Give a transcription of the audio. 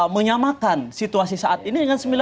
menyamakan situasi saat ini dengan sembilan puluh delapan gitu